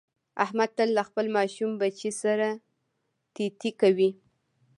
احمد تل له خپل ماشوم بچي سره تی تی کوي.